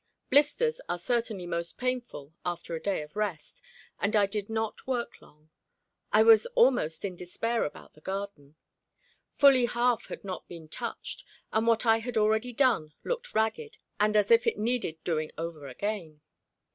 Blisters are certainly most painful after a day of rest, and I did not work long. I was almost in despair about the garden. Fully half had not been touched, and what I had already done looked ragged and as if it needed doing over again.